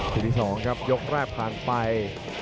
ที่๒ครับยกแรกผ่านไป